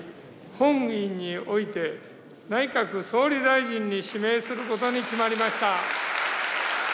本院において、内閣総理大臣に指名することに決まりました。